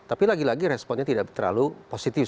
tapi lagi lagi responnya tidak terlalu positif